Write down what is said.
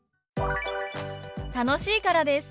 「楽しいからです」。